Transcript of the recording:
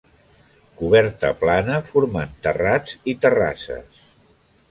Coberta plana formant terrats i terrasses.